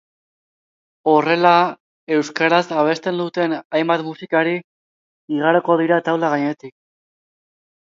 Horrela, euskaraz abesten duten hainbat musikari igaroko dira taula gainetik.